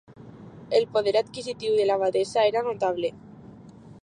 El poder adquisitiu de l'abadessa era notable.